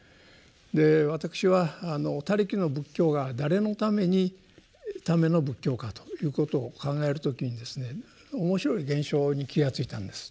で私は「他力」の仏教が誰のための仏教かということを考える時にですね面白い現象に気が付いたんです。